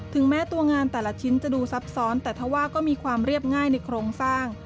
แม้ตัวงานแต่ละชิ้นจะดูซับซ้อนแต่ถ้าว่าก็มีความเรียบง่ายในโครงสร้าง